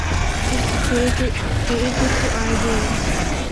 کہ اے کُتھو آئے دے ہن۔